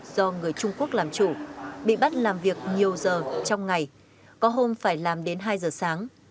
do người trung quốc làm chủ bị bắt làm việc nhiều giờ trong ngày có hôm phải làm đến hai giờ sáng